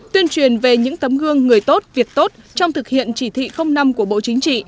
tuyên truyền về những tấm gương người tốt việc tốt trong thực hiện chỉ thị năm của bộ chính trị